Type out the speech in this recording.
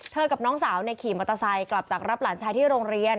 กับน้องสาวขี่มอเตอร์ไซค์กลับจากรับหลานชายที่โรงเรียน